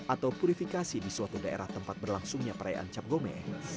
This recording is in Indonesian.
atau purifikasi di suatu daerah tempat berlangsungnya perayaan cap gome